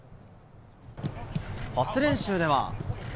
パス練習では。